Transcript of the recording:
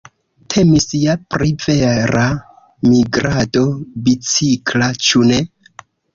Temis ja pri vera migrado bicikla, ĉu ne?